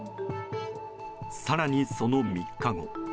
更に、その３日後。